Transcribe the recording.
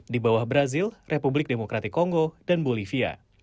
di bawah brazil republik demokratik kongo dan bolivia